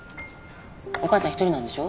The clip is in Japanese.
お母さん一人なんでしょ？